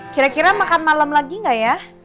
kira kira makan malam lagi nggak ya